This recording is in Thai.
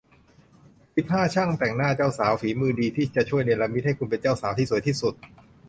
สิบห้า ช่างแต่งหน้าเจ้าสาว ฝีมือดี ที่จะช่วยเนรมิตให้คุณเป็นเจ้าสาวที่สวยที่สุด